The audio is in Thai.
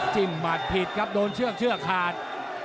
จิ้มมัตต์ผิดครับโดนเชือกเชือกขาด